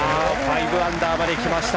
５アンダーまできました。